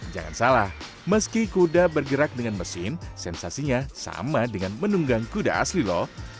jangan salah meski kuda bergerak dengan mesin sensasinya sama dengan menunggang kuda asli loh